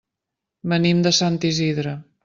Venim de Sant Isidre.